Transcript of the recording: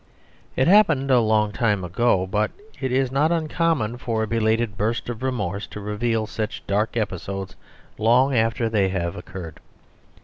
It happened a long time ago; but it is not uncommon for a belated burst of remorse to reveal such dark episodes long after they have occurred.